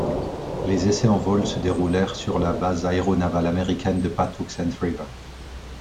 Les essais en vol se déroulèrent sur la base aéronavale américaine de Patuxent River.